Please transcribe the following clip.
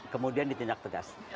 kemudian di tindak tegas